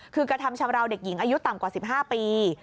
คือกระทำชำราวเด็กหญิงอายุต่ำกว่า๑๕ปี